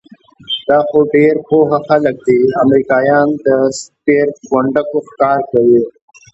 دا خو ډېر پوه خلک دي، امریکایان د سپېرکونډکو ښکار کوي؟